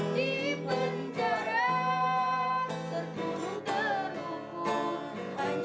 di penjara tertunggu terukku